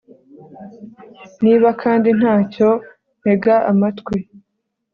niba kandi nta cyo, ntega amatwi